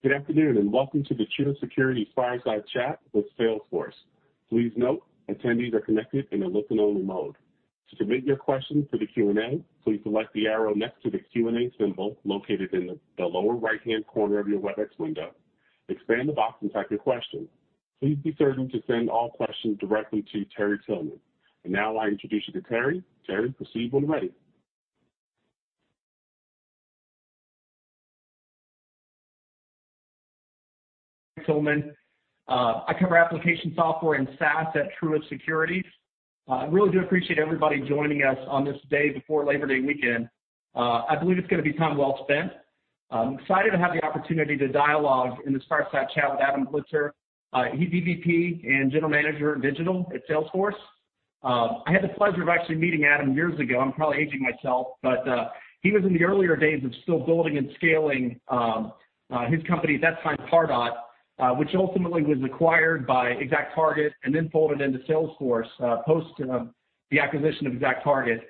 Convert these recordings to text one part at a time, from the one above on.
Good afternoon. Welcome to the Truist Securities Fireside Chat with Salesforce. Please note, attendees are connected in a listen-only mode. To submit your question for the Q&A, please select the arrow next to the Q&A symbol located in the lower right-hand corner of your Webex window. Expand the box and type your question. Please be certain to send all questions directly to Terry Tillman. Now I introduce you to Terry. Terry, proceed when ready. I cover application software and SaaS at Truist Securities. I really do appreciate everybody joining us on this day before Labor Day weekend. I believe it's going to be time well spent. I'm excited to have the opportunity to dialogue in this Fireside Chat with Adam Blitzer. He's EVP and General Manager, Digital at Salesforce. I had the pleasure of actually meeting Adam years ago. I'm probably aging myself, but he was in the earlier days of still building and scaling, his company at that time, Pardot, which ultimately was acquired by ExactTarget and then folded into Salesforce, post the acquisition of ExactTarget.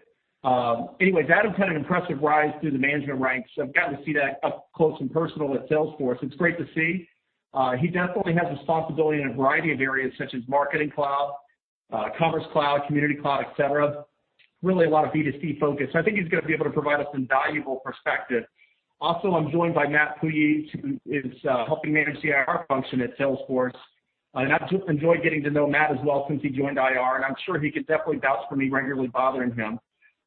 Adam's had an impressive rise through the management ranks. I've gotten to see that up close and personal at Salesforce. It's great to see. He definitely has responsibility in a variety of areas such as Marketing Cloud, Commerce Cloud, Community Cloud, et cetera. Really a lot of B2C focus. I think he's going to be able to provide us some valuable perspective. I'm joined by (Matt Pulle), who is helping manage the IR function at Salesforce. I've enjoyed getting to know Matt as well since he joined IR, and I'm sure he can definitely vouch for me regularly bothering him.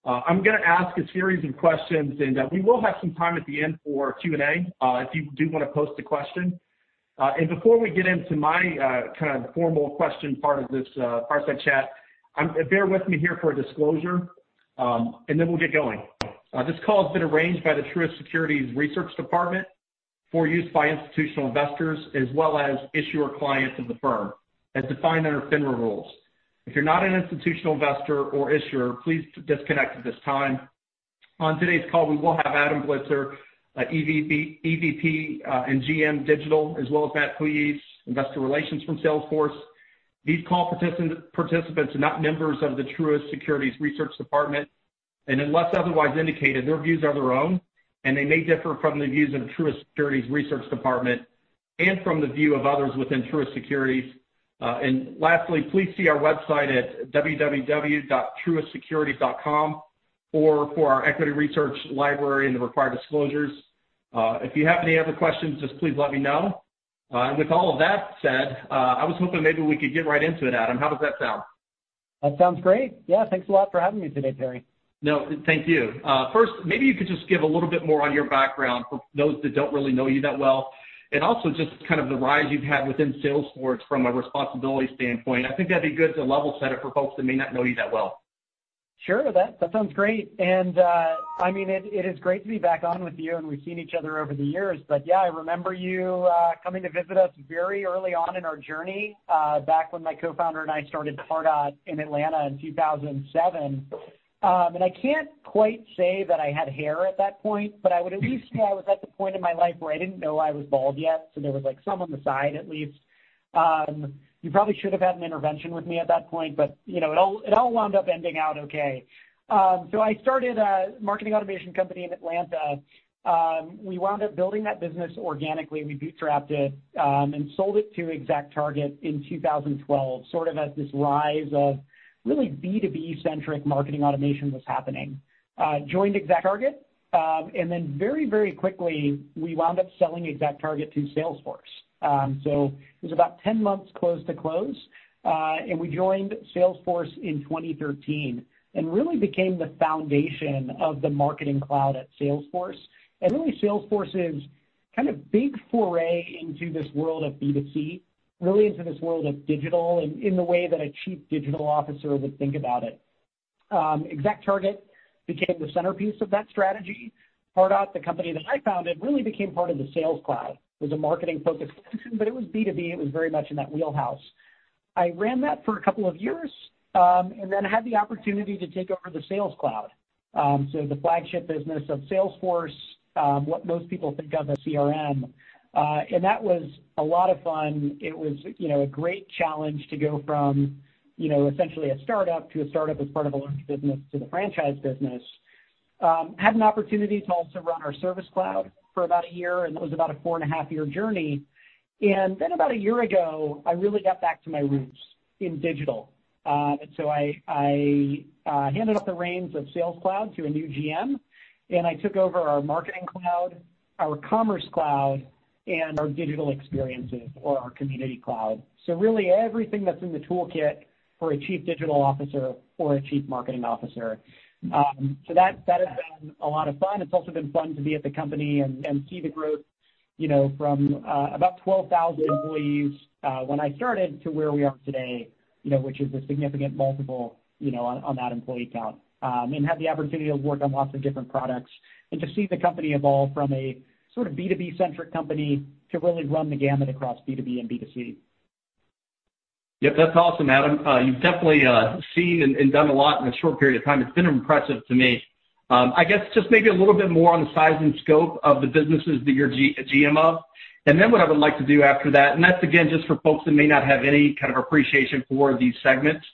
I'm going to ask a series of questions, and we will have some time at the end for Q&A, if you do want to pose a question. Before we get into my formal question part of this Fireside Chat, bear with me here for a disclosure, and then we'll get going. This call has been arranged by the Truist Securities Research Department for use by institutional investors as well as issuer clients of the firm, as defined under FINRA rules. If you're not an institutional investor or issuer, please disconnect at this time. On today's call, we will have Adam Blitzer, EVP and GM, Digital, as well as (Matt Pulle), Investor Relations from Salesforce. These call participants are not members of the Truist Securities Research Department. Unless otherwise indicated, their views are their own, and they may differ from the views of Truist Securities' Research Department and from the view of others within Truist Securities. Lastly, please see our website at www.truistsecurities.com, or for our equity research library and the required disclosures. If you have any other questions, just please let me know. With all of that said, I was hoping maybe we could get right into it, Adam. How does that sound? That sounds great. Yeah, thanks a lot for having me today, Terry. No, thank you. First, maybe you could just give a little bit more on your background for those that don't really know you that well, and also just the rise you've had within Salesforce from a responsibility standpoint. I think that'd be good to level-set it for folks that may not know you that well. Sure. That sounds great. It is great to be back on with you, and we've seen each other over the years. Yeah, I remember you coming to visit us very early on in our journey, back when my co-founder and I started Pardot in Atlanta in 2007. I can't quite say that I had hair at that point, but I would at least say I was at the point in my life where I didn't know I was bald yet, so there was like some on the side at least. You probably should have had an intervention with me at that point, but it all wound up ending out okay. I started a marketing automation company in Atlanta. We wound up building that business organically. We bootstrapped it, and sold it to ExactTarget in 2012, sort of as this rise of really B2B-centric marketing automation was happening. I joined ExactTarget, and then very quickly, we wound up selling ExactTarget to Salesforce. It was about 10 months close to close. We joined Salesforce in 2013 and really became the foundation of the Marketing Cloud at Salesforce, and really Salesforce's big foray into this world of B2C, really into this world of digital in the way that a Chief Digital Officer would think about it. ExactTarget became the centerpiece of that strategy. Pardot, the company that I founded, really became part of the Sales Cloud. It was a marketing-focused system, but it was B2B. It was very much in that wheelhouse. I ran that for a couple of years, and then had the opportunity to take over the Sales Cloud. The flagship business of Salesforce, what most people think of as CRM. That was a lot of fun. It was a great challenge to go from essentially a startup to a startup as part of a large business to the franchise business. Had an opportunity to also run our Service Cloud for about a year, and that was about 4.5-year journey. About a year ago, I really got back to my roots in digital. I handed off the reins of Sales Cloud to a new GM, and I took over our Marketing Cloud, our Commerce Cloud, and our Digital Experiences, or our Community Cloud. Really everything that's in the toolkit for a Chief Digital Officer or a Chief Marketing Officer. That has been a lot of fun. It's also been fun to be at the company and see the growth from about 12,000 employees, when I started, to where we are today, which is a significant multiple on that employee count. Had the opportunity to work on lots of different products and to see the company evolve from a B2B-centric company to really run the gamut across B2B and B2C. Yep, that's awesome, Adam. You've definitely seen and done a lot in a short period of time. It's been impressive to me. I guess just maybe a little bit more on the size and scope of the businesses that you're GM of, and then what I would like to do after that, and that's again, just for folks that may not have any kind of appreciation for these segments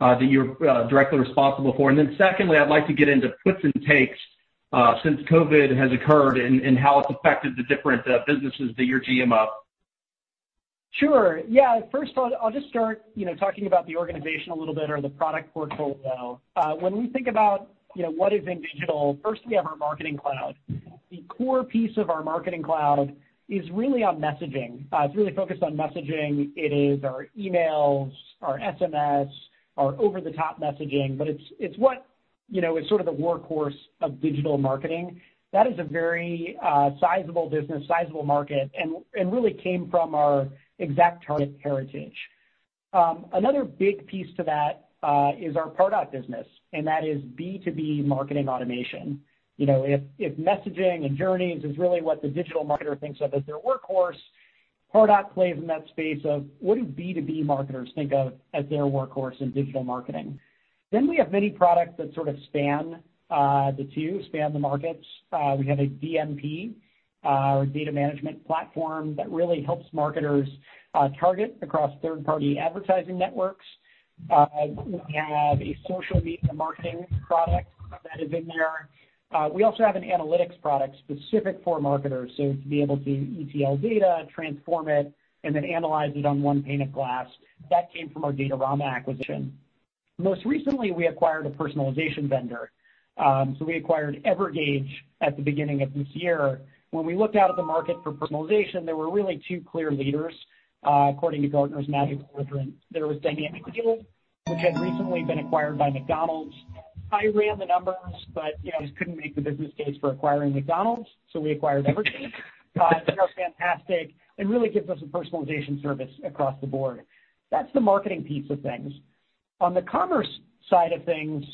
that you're directly responsible for. Secondly, I'd like to get into puts and takes since COVID has occurred, and how it's affected the different businesses that you're GM of. Sure. Yeah. First, I'll just start talking about the organization a little bit or the Product portfolio. When we think about what is in digital, first we have our Marketing Cloud. The core piece of our Marketing Cloud is really on messaging. It is really focused on messaging. It is our emails, our SMS, our over-the-top messaging, but it is sort of the workhorse of digital marketing. That is a very sizable business, sizable market, and really came from our ExactTarget heritage. Another big piece to that is our Pardot business, and that is B2B marketing automation. If messaging and journeys is really what the digital marketer thinks of as their workhorse, Pardot plays in that space of what do B2B marketers think of as their workhorse in digital marketing? We have many products that sort of span the two, span the markets. We have a DMP, our data management platform, that really helps marketers target across third-party advertising networks. We have a social media marketing product that is in there. We also have an analytics product specific for marketers, so to be able to ETL data, transform it, and then analyze it on one pane of glass. That came from our Datorama acquisition. Most recently, we acquired a personalization vendor. We acquired Evergage at the beginning of this year. When we looked out at the market for personalization, there were really two clear leaders, according to Gartner's Magic Quadrant. There was Dynamic Yield, which had recently been acquired by McDonald's. I ran the numbers, but just couldn't make the business case for acquiring McDonald's, so we acquired Evergage. They're fantastic, and really gives us a personalization service across the board. That's the marketing piece of things. On the commerce side of things,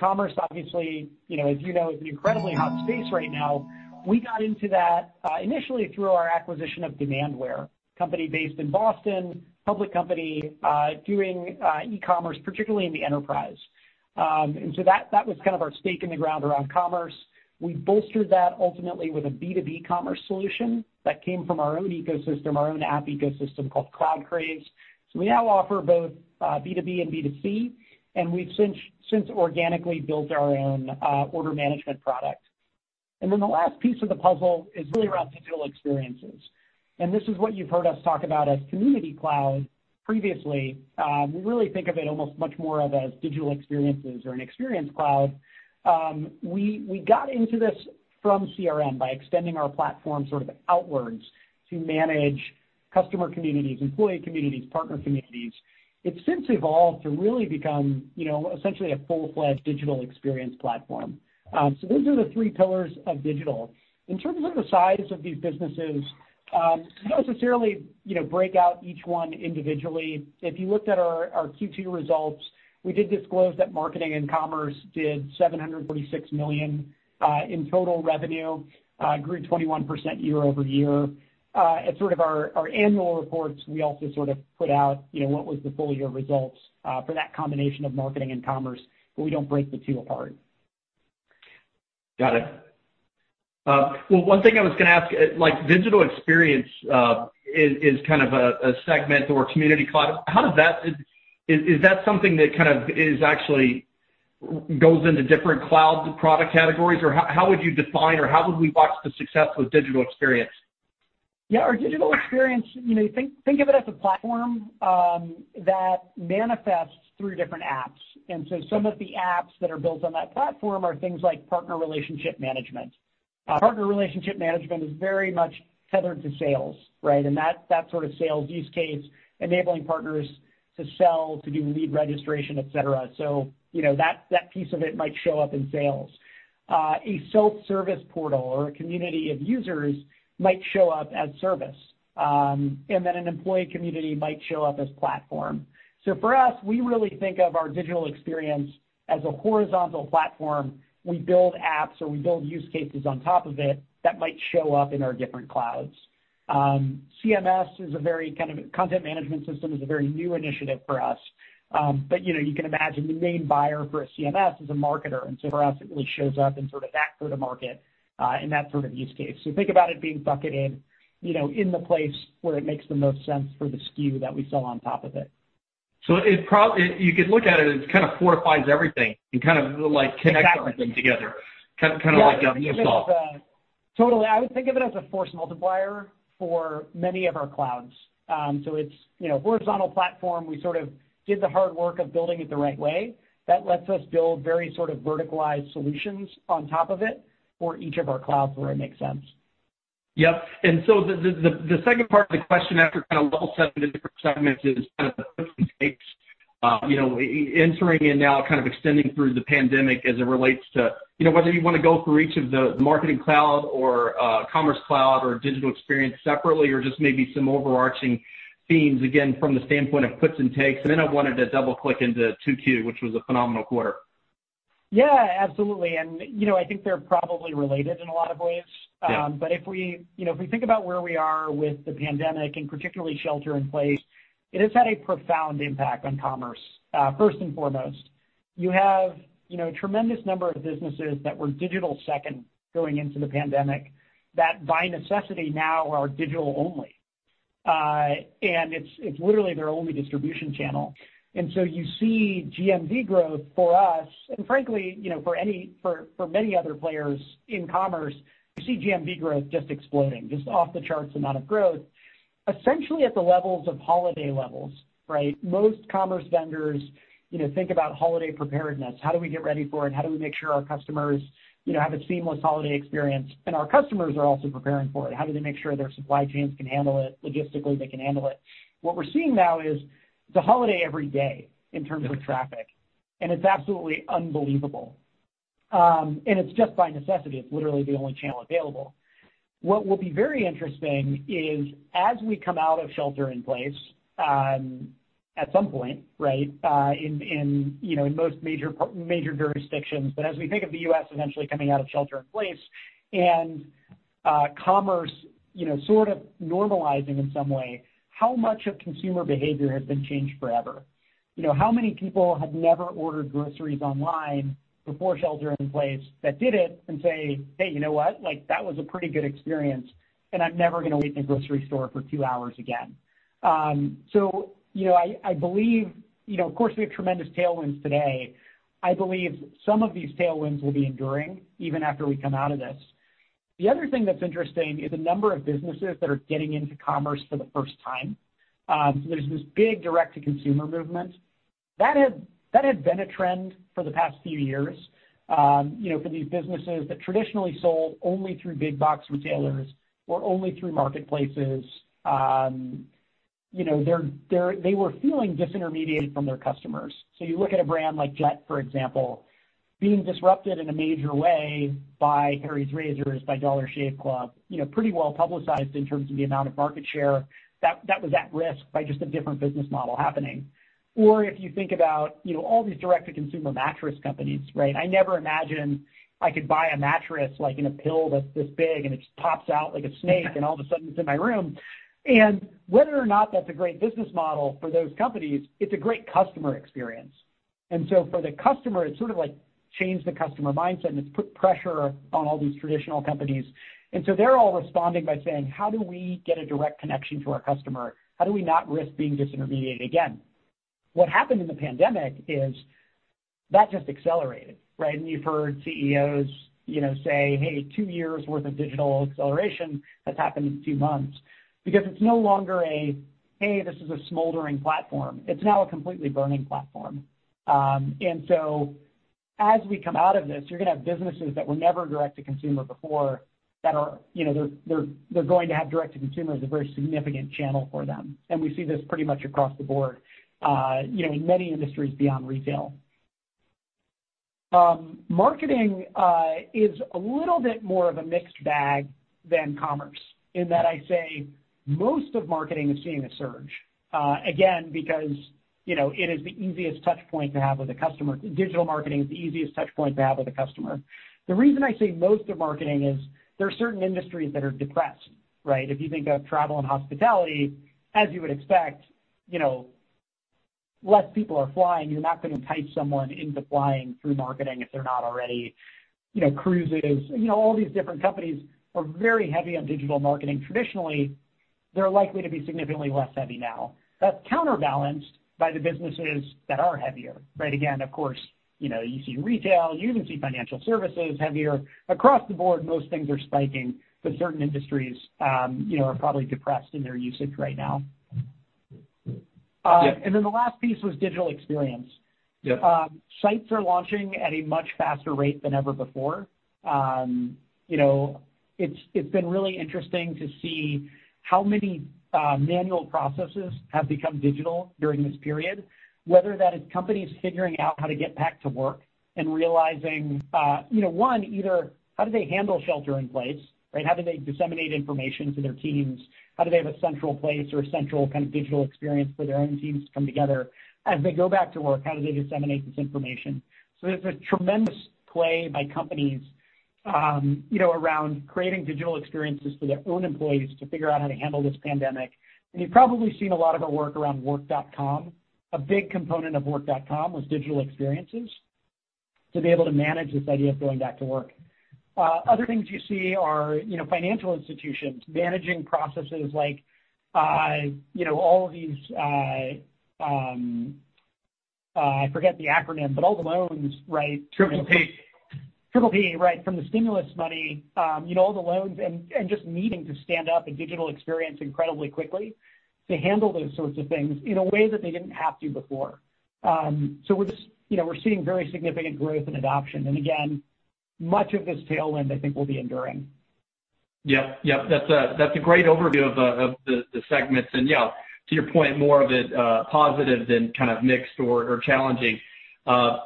commerce, obviously, as you know, is an incredibly hot space right now. We got into that initially through our acquisition of Demandware, company based in Boston, public company, doing e-commerce, particularly in the enterprise. That was kind of our stake in the ground around commerce. We bolstered that ultimately with a B2B commerce solution that came from our own ecosystem, our own app ecosystem called CloudCraze. We now offer both B2B and B2C, and we've since organically built our own Order Management Product. The last piece of the puzzle is really around Digital Experiences. This is what you've heard us talk about as Community Cloud previously. We really think of it almost much more of as Digital Experiences or an Experience Cloud. We got into this from CRM by extending our platform sort of outwards to manage customer communities, employee communities, partner communities. It's since evolved to really become essentially a full-fledged Digital Experience platform. Those are the three pillars of digital. In terms of the size of these businesses, we don't necessarily break out each one individually. If you looked at our Q2 results, we did disclose that Marketing and Commerce did $746 million in total revenue, grew 21% year-over-year. At sort of our annual reports, we also sort of put out what was the full-year results for that combination of Marketing and Commerce, but we don't break the two apart. Got it. Well, one thing I was going to ask, Digital Experience is kind of a segment or Community Cloud. Is that something that kind of actually goes into different cloud Product categories? How would you define, or how would we box the success with Digital Experience? Yeah, our Digital Experience, think of it as a Platform that manifests through different apps. Some of the apps that are built on that Platform are things like partner relationship management. Partner relationship management is very much tethered to Sales, right? That sort of Sales use case, enabling partners to sell, to do lead registration, et cetera. That piece of it might show up in Sales. A self-service portal or a community of users might show up as Service. An employee community might show up as Platform. For us, we really think of our Digital Experience as a horizontal Platform. We build apps, or we build use cases on top of it that might show up in our different Clouds. CMS, content management system, is a very new initiative for us. You can imagine the main buyer for a CMS is a marketer, and so for us, it really shows up in sort of that sort of market, in that sort of use case. Think about it being bucketed in the place where it makes the most sense for the SKU that we sell on top of it. You could look at it as fortifies everything, and like connects. Exactly everything together. Kind of like a small- Totally. I would think of it as a force multiplier for many of our clouds. It's horizontal platform. We sort of did the hard work of building it the right way. That lets us build very sort of verticalized solutions on top of it for each of our clouds where it makes sense. Yep. The second part of the question after kind of level-setting the different segments is kind of the puts and takes, entering and now kind of extending through the pandemic as it relates to, whether you want to go through each of the Marketing Cloud or Commerce Cloud or Digital Experience separately or just maybe some overarching themes, again, from the standpoint of puts and takes. Then I wanted to double-click into 2Q, which was a phenomenal quarter. Yeah, absolutely. I think they're probably related in a lot of ways. Yeah. If we think about where we are with the pandemic, and particularly shelter in place, it has had a profound impact on commerce, first and foremost. You have a tremendous number of businesses that were digital second going into the pandemic that by necessity now are digital only. It's literally their only distribution channel. So you see GMV growth for us, and frankly, for many other players in commerce, you see GMV growth just exploding, just off the charts amount of growth, essentially at the levels of holiday levels. Right? Most commerce vendors think about holiday preparedness. How do we get ready for it? How do we make sure our customers have a seamless holiday experience? Our customers are also preparing for it. How do they make sure their supply chains can handle it, logistically they can handle it? What we're seeing now is it's a holiday every day in terms of traffic, and it's absolutely unbelievable. It's just by necessity. It's literally the only channel available. What will be very interesting is as we come out of shelter in place, at some point in most major jurisdictions, but as we think of the U.S. eventually coming out of shelter in place, and commerce sort of normalizing in some way, how much of consumer behavior has been changed forever? How many people had never ordered groceries online before shelter in place that did it and say, "Hey, you know what? That was a pretty good experience, and I'm never going to wait in a grocery store for two hours again." I believe, of course, we have tremendous tailwinds today. I believe some of these tailwinds will be enduring even after we come out of this. The other thing that's interesting is the number of businesses that are getting into commerce for the first time. There's this big direct-to-consumer movement. That had been a trend for the past few years, for these businesses that traditionally sold only through big box retailers or only through marketplaces. They were feeling disintermediated from their customers. You look at a brand like Gillette, for example, being disrupted in a major way by Harry's Razors, by Dollar Shave Club, pretty well-publicized in terms of the amount of market share that was at risk by just a different business model happening. If you think about all these direct-to-consumer mattress companies, right? I never imagined I could buy a mattress in a pill that's this big, and it just pops out like a snake, and all of a sudden it's in my room. Whether or not that's a great business model for those companies, it's a great customer experience. For the customer, it sort of changed the customer mindset, and it's put pressure on all these traditional companies. They're all responding by saying, "How do we get a direct connection to our customer? How do we not risk being disintermediated again?" What happened in the pandemic is that just accelerated, right? You've heard CEOs say, "Hey, two years' worth of digital acceleration has happened in two months." Because it's no longer a, "Hey, this is a smoldering platform." It's now a completely burning platform. As we come out of this, you're going to have businesses that were never direct to consumer before, they're going to have direct to consumer as a very significant channel for them. We see this pretty much across the board in many industries beyond retail. Marketing is a little bit more of a mixed bag than commerce, in that I say most of marketing is seeing a surge. Again, because digital marketing is the easiest touchpoint to have with a customer. The reason I say most of marketing is there are certain industries that are depressed, right? If you think of travel and hospitality, as you would expect, less people are flying. You're not going to entice someone into flying through marketing if they're not already. Cruises, all these different companies are very heavy on digital marketing. Traditionally, they're likely to be significantly less heavy now. That's counterbalanced by the businesses that are heavier. Right? Again, of course, you see retail, you even see financial services heavier. Across the board, most things are spiking, but certain industries are probably depressed in their usage right now. Yeah. The last piece was Digital Experience. Yeah. Sites are launching at a much faster rate than ever before. It's been really interesting to see how many manual processes have become digital during this period, whether that is companies figuring out how to get back to work and realizing, one, either how do they handle shelter in place? How do they disseminate information to their teams? How do they have a central place or a central kind of Digital Experience for their own teams to come together? As they go back to work, how do they disseminate this information? There's a tremendous play by companies around creating Digital Experiences for their own employees to figure out how to handle this pandemic. You've probably seen a lot of our work around Work.com. A big component of Work.com was Digital Experiences to be able to manage this idea of going back to work. Other things you see are financial institutions managing processes like all of these I forget the acronym, but all the loans, right? PPP. PPP, right, from the stimulus money, all the loans, and just needing to stand up a Digital Experience incredibly quickly to handle those sorts of things in a way that they didn't have to before. We're seeing very significant growth and adoption. Again, much of this tailwind, I think, will be enduring. Yep. That's a great overview of the segments. Yeah, to your point, more of it positive than kind of mixed or challenging. I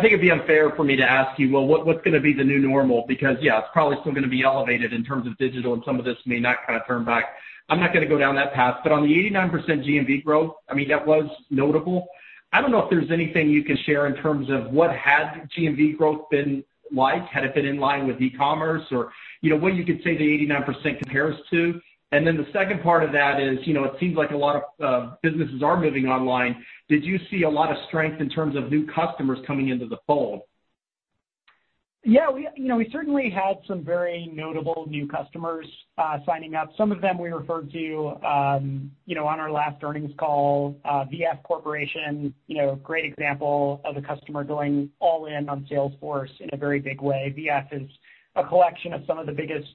think it'd be unfair for me to ask you, "Well, what's going to be the new normal?" Yeah, it's probably still going to be elevated in terms of digital, and some of this may not kind of turn back. I'm not going to go down that path. On the 89% GMV growth, I mean, that was notable. I don't know if there's anything you can share in terms of what had GMV growth been like. Had it been in line with e-commerce? What you could say the 89% compares to? The second part of that is, it seems like a lot of businesses are moving online. Did you see a lot of strength in terms of new customers coming into the fold? We certainly had some very notable new customers signing up. Some of them we referred to on our last earnings call, VF Corporation, great example of a customer going all in on Salesforce in a very big way. VF Corporation is a collection of some of the biggest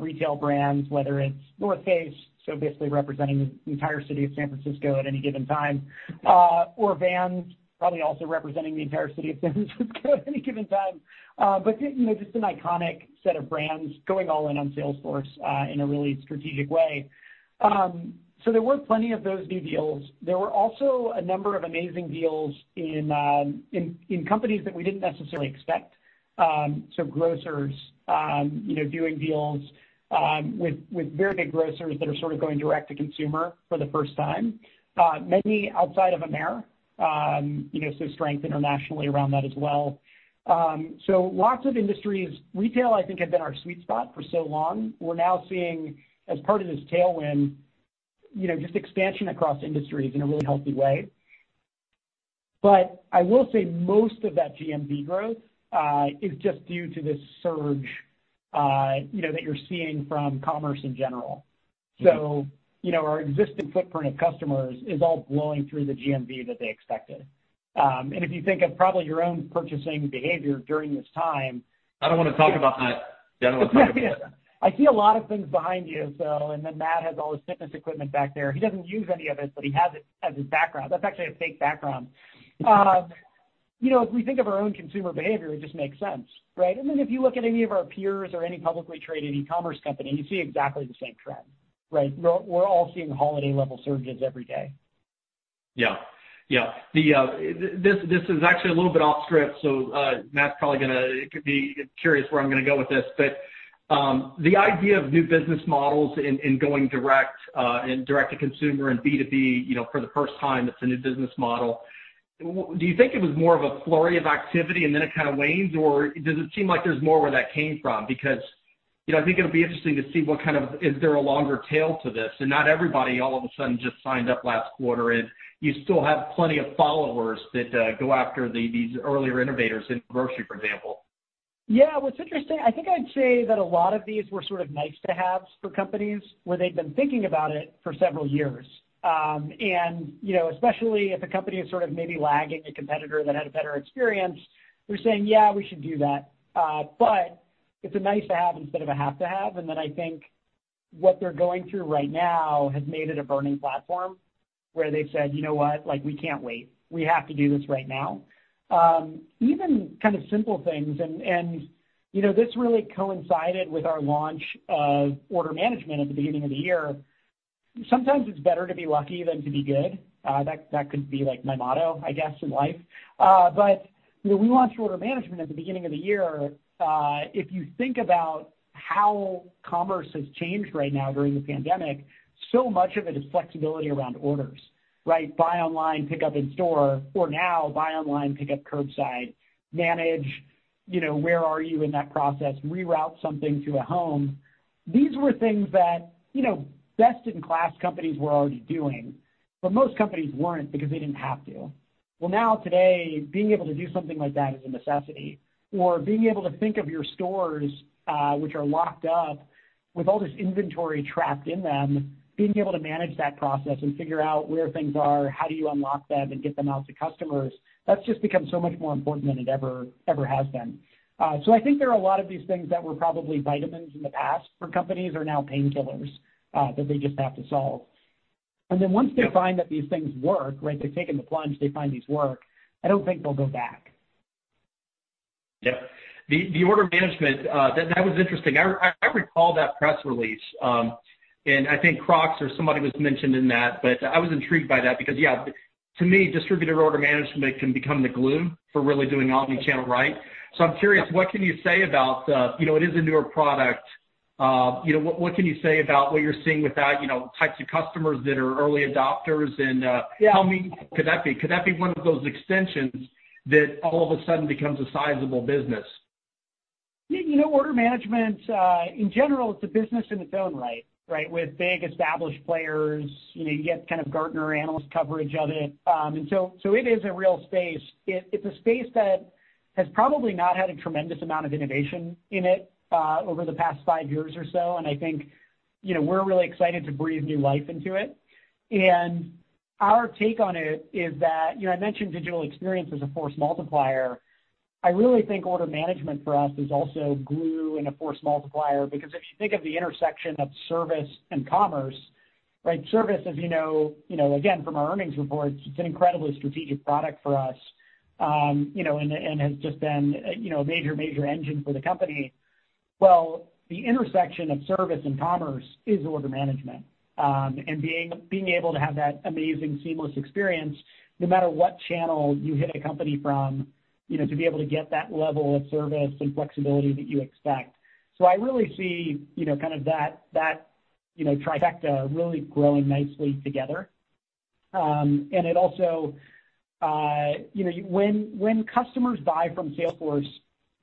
retail brands, whether it's The North Face, so basically representing the entire city of San Francisco at any given time, or Vans, probably also representing the entire city of San Francisco at any given time. Just an iconic set of brands going all in on Salesforce, in a really strategic way. There were plenty of those new deals. There were also a number of amazing deals in companies that we didn't necessarily expect. Grocers, doing deals with very big grocers that are sort of going direct to consumer for the first time. Many outside of AMER, so strength internationally around that as well. Lots of industries. Retail, I think, had been our sweet spot for so long. We're now seeing, as part of this tailwind, just expansion across industries in a really healthy way. I will say most of that GMV growth is just due to this surge that you're seeing from commerce in general. Our existing footprint of customers is all blowing through the GMV that they expected. If you think of probably your own purchasing behavior during this time. I don't want to talk about that. I see a lot of things behind you. Matt has all his fitness equipment back there. He doesn't use any of it, but he has it as his background. That's actually a fake background. If we think of our own consumer behavior, it just makes sense, right? If you look at any of our peers or any publicly traded e-commerce company, you see exactly the same trend, right? We're all seeing holiday-level surges every day. Yeah. This is actually a little bit off script, so Matt's probably going to be curious where I'm going to go with this. The idea of new business models and going direct to consumer and B2B, for the first time it's a new business model. Do you think it was more of a flurry of activity and then it kind of wanes, or does it seem like there's more where that came from? I think it'll be interesting to see is there a longer tail to this. Not everybody all of a sudden just signed up last quarter, and you still have plenty of followers that go after these earlier innovators in grocery, for example. Yeah, what's interesting, I think I'd say that a lot of these were sort of nice-to-haves for companies, where they'd been thinking about it for several years. Especially if a company is sort of maybe lagging a competitor that had a better experience, we're saying, "Yeah, we should do that." It's a nice to have instead of a have to have. I think what they're going through right now has made it a burning platform, where they've said, "You know what? We can't wait. We have to do this right now." Even simple things, this really coincided with our launch of Order Management at the beginning of the year. Sometimes it's better to be lucky than to be good. That could be my motto, I guess, in life. We launched Order Management at the beginning of the year. If you think about how commerce has changed right now during the pandemic, so much of it is flexibility around orders, right? Buy online, pick up in store, or now, buy online, pick up curbside, manage where are you in that process, reroute something to a home. These were things that best-in-class companies were already doing, but most companies weren't because they didn't have to. Now today, being able to do something like that is a necessity. Being able to think of your stores, which are locked up, with all this inventory trapped in them, being able to manage that process and figure out where things are, how do you unlock them and get them out to customers, that's just become so much more important than it ever has been. I think there are a lot of these things that were probably vitamins in the past for companies, are now painkillers that they just have to solve. Once they find that these things work, right, they've taken the plunge, they find these work, I don't think they'll go back. Yeah. The Order Management, that was interesting. I think Crocs or somebody was mentioned in that, but I was intrigued by that because yeah, to me, distributor order management can become the glue for really doing omnichannel right. I'm curious, what can you say about, it is a newer Product. What can you say about what you're seeing with that, types of customers that are early adopters. Yeah How mean could that be? Could that be one of those extensions that all of a sudden becomes a sizable business? Order Management, in general, it's a business in its own right, with big established players. You get Gartner analyst coverage of it. It is a real space. It's a space that has probably not had a tremendous amount of innovation in it, over the past five years or so, and I think we're really excited to breathe new life into it. Our take on it is that, I mentioned Digital Experience as a force multiplier. I really think Order Management for us is also glue and a force multiplier because if you think of the intersection of service and commerce, right, service as you know, again, from our earnings reports, it's an incredibly strategic Product for us. Has just been a major engine for the company. Well, the intersection of service and commerce is Order Management. Being able to have that amazing seamless experience, no matter what channel you hit a company from, to be able to get that level of service and flexibility that you expect. I really see that trifecta really growing nicely together. It also, when customers buy from Salesforce,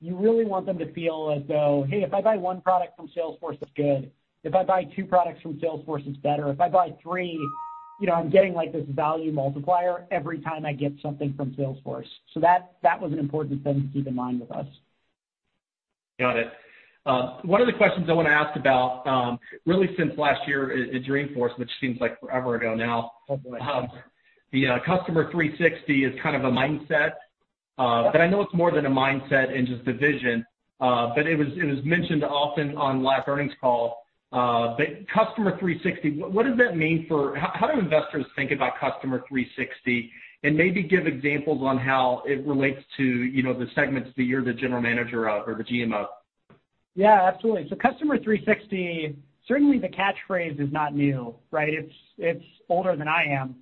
you really want them to feel as though, hey, if I buy one product from Salesforce, it's good. If I buy two products from Salesforce, it's better. If I buy three, I'm getting this value multiplier every time I get something from Salesforce. That was an important thing to keep in mind with us. Got it. One of the questions I want to ask about, really since last year at Dreamforce, which seems like forever ago now. Oh, boy. The Customer 360 is kind of a mindset. I know it's more than a mindset and just a vision. It was mentioned often on last earnings call. Customer 360, what does that mean? How do investors think about Customer 360? Maybe give examples on how it relates to the segments that you're the general manager of, or the GM of. Yeah, absolutely. Customer 360, certainly the catchphrase is not new, right? It's older than I am,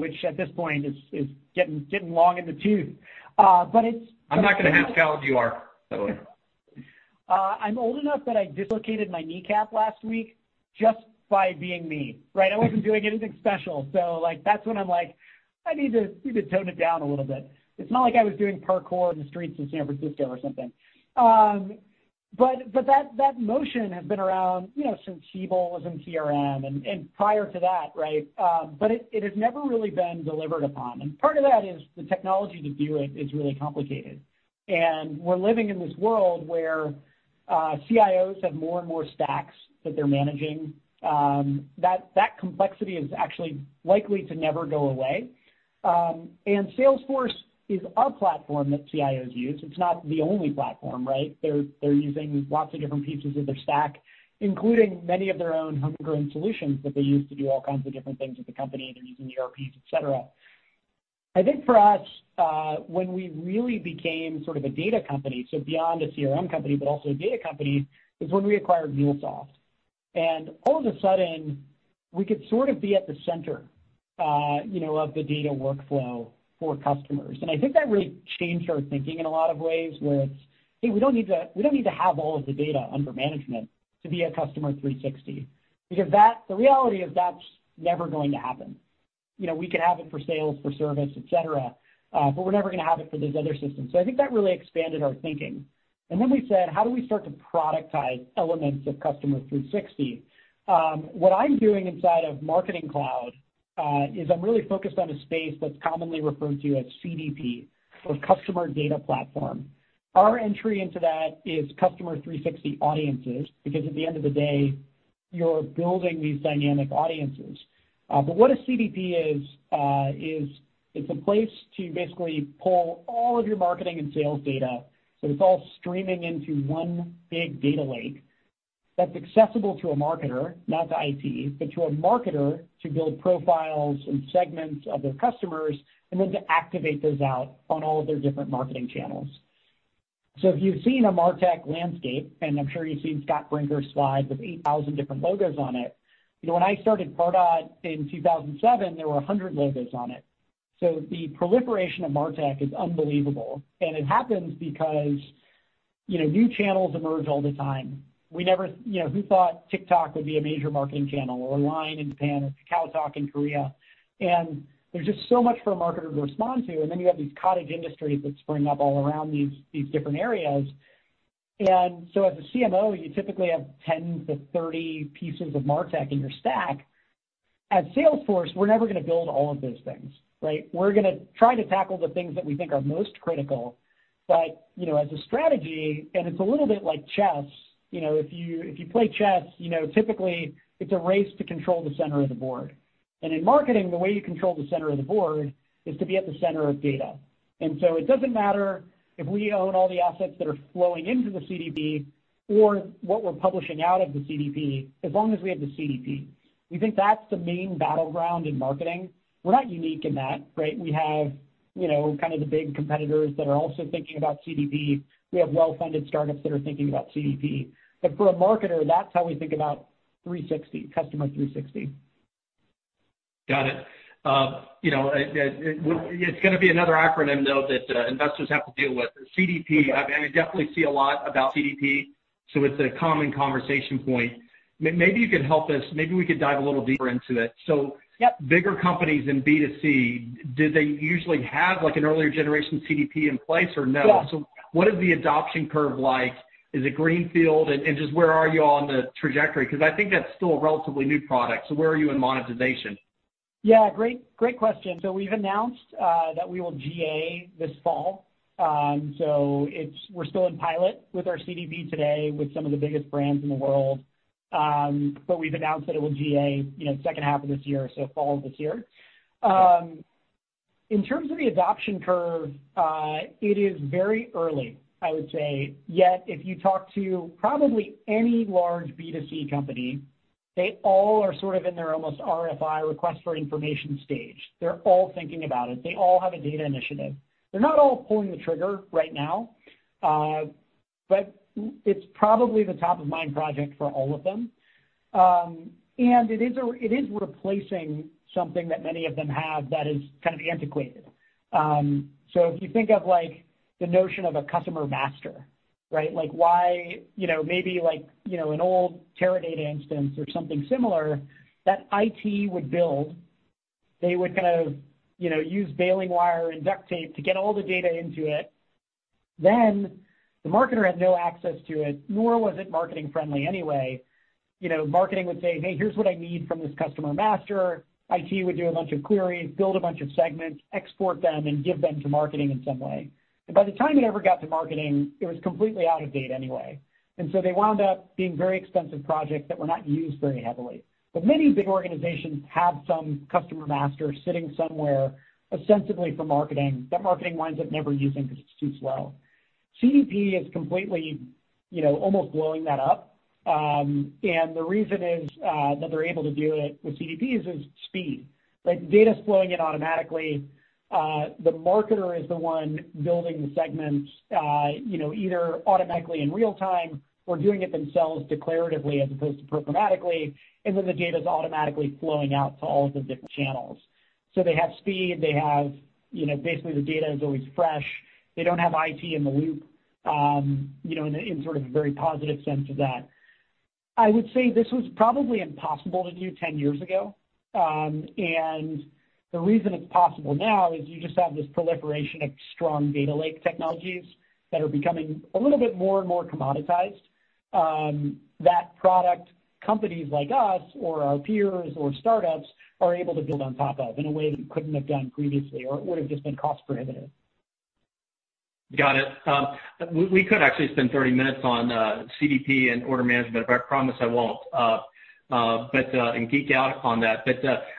which at this point is getting long in the tooth. I'm not going to ask how old you are. I'm old enough that I dislocated my kneecap last week just by being me, right? I wasn't doing anything special. That's when I'm like, I need to tone it down a little bit. It's not like I was doing parkour in the streets of San Francisco or something. That motion has been around since Siebel and CRM and prior to that. It has never really been delivered upon. Part of that is the technology to do it is really complicated. We're living in this world where CIOs have more and more stacks that they're managing. That complexity is actually likely to never go away. Salesforce is a platform that CIOs use. It's not the only platform, right? They're using lots of different pieces of their stack, including many of their own homegrown solutions that they use to do all kinds of different things with the company. They're using ERPs, et cetera. I think for us, when we really became sort of a data company, so beyond a CRM company, but also a data company, is when we acquired MuleSoft. All of a sudden, we could sort of be at the center of the data workflow for customers. I think that really changed our thinking in a lot of ways, where it's, "Hey, we don't need to have all of the data under management to be a Customer 360." Because the reality is that's never going to happen. We can have it for sales, for service, et cetera, but we're never going to have it for those other systems. I think that really expanded our thinking. Then we said, how do we start to productize elements of Customer 360? What I'm doing inside of Marketing Cloud is I'm really focused on a space that's commonly referred to as CDP, or customer data platform. Our entry into that is Customer 360 Audiences, because at the end of the day, you're building these dynamic audiences. What a CDP is it's a place to basically pull all of your marketing and sales data so it's all streaming into one big data lake that's accessible to a marketer, not to IT, but to a marketer to build profiles and segments of their customers, and then to activate those out on all of their different marketing channels. If you've seen a MarTech landscape, and I'm sure you've seen Scott Brinker's slide with 8,000 different logos on it, when I started Pardot in 2007, there were 100 logos on it. The proliferation of MarTech is unbelievable, and it happens because new channels emerge all the time. Who thought TikTok would be a major marketing channel, or LINE in Japan, or KakaoTalk in Korea? There's just so much for a marketer to respond to, and then you have these cottage industries that spring up all around these different areas. As a CMO, you typically have 10-30 pieces of MarTech in your stack. At Salesforce, we're never going to build all of those things. We're going to try to tackle the things that we think are most critical. As a strategy, and it's a little bit like chess, if you play chess, typically it's a race to control the center of the board. In marketing, the way you control the center of the board is to be at the center of data. It doesn't matter if we own all the assets that are flowing into the CDP or what we're publishing out of the CDP, as long as we have the CDP. We think that's the main battleground in marketing. We're not unique in that. We have kind of the big competitors that are also thinking about CDP. We have well-funded startups that are thinking about CDP. For a marketer, that's how we think about 360, Customer 360. Got it. It's going to be another acronym, though, that investors have to deal with. CDP, I definitely see a lot about CDP, so it's a common conversation point. Maybe you could help us. Maybe we could dive a little deeper into it. Yep. Bigger companies in B2C, do they usually have like an earlier generation CDP in place or no? Yeah. What is the adoption curve like? Is it greenfield? Just where are you on the trajectory? I think that's still a relatively new Product. Where are you in monetization? Yeah, great question. We've announced that we will GA this fall. We're still in pilot with our CDP today with some of the biggest brands in the world. We've announced that it will GA second half of this year, so fall of this year. In terms of the adoption curve, it is very early, I would say. Yet, if you talk to probably any large B2C company, they all are sort of in their almost RFI, request for information, stage. They're all thinking about it. They all have a data initiative. They're not all pulling the trigger right now. It's probably the top-of-mind project for all of them. It is replacing something that many of them have that is kind of antiquated. If you think of the notion of a customer master. Maybe an old Teradata instance or something similar that IT would build, they would kind of use baling wire and duct tape to get all the data into it. The marketer had no access to it, nor was it marketing friendly anyway. Marketing would say, "Hey, here's what I need from this customer master." IT would do a bunch of queries, build a bunch of segments, export them, and give them to marketing in some way. By the time it ever got to marketing, it was completely out of date anyway. They wound up being very expensive projects that were not used very heavily. Many big organizations have some customer master sitting somewhere ostensibly for marketing, that marketing winds up never using because it's too slow. CDP is completely almost blowing that up. The reason is that they're able to do it with CDPs is speed. Data's flowing in automatically. The marketer is the one building the segments, either automatically in real time or doing it themselves declaratively as opposed to programmatically. Then the data's automatically flowing out to all the different channels. They have speed. Basically, the data is always fresh. They don't have IT in the loop, in sort of a very positive sense of that. I would say this was probably impossible to do 10 years ago. The reason it's possible now is you just have this proliferation of strong data lake technologies that are becoming a little bit more and more commoditized. That Product, companies like us or our peers or startups are able to build on top of in a way that you couldn't have done previously or it would've just been cost-prohibitive. Got it. We could actually spend 30 minutes on CDP and Order Management, I promise I won't, and geek out on that.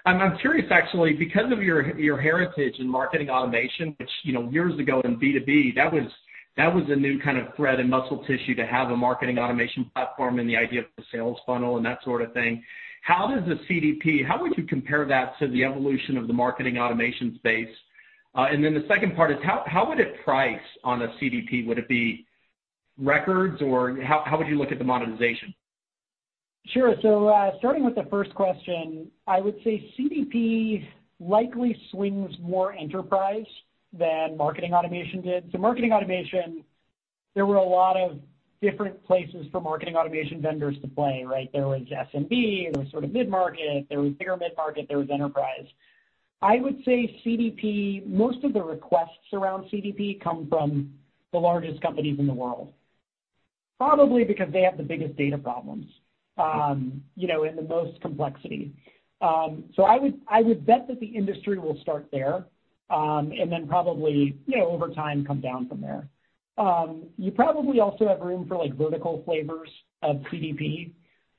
I'm curious actually, because of your heritage in marketing automation, which years ago in B2B, that was a new kind of thread and muscle tissue to have a marketing automation platform and the idea of the sales funnel and that sort of thing. How would you compare that to the evolution of the marketing automation space? Then the second part is how would it price on a CDP? Would it be records, or how would you look at the monetization? Sure. Starting with the first question, I would say CDP likely swings more enterprise than marketing automation did. Marketing automation, there were a lot of different places for marketing automation vendors to play, right? There was SMB, there was sort of mid-market, there was bigger mid-market, there was enterprise. I would say CDP, most of the requests around CDP come from the largest companies in the world, probably because they have the biggest data problems and the most complexity. I would bet that the industry will start there, and then probably, over time, come down from there. You probably also have room for vertical flavors of CDP.